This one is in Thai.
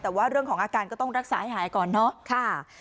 แต่ว่าเรื่องของอาการก็ต้องรักษาให้หายก่อนเนาะ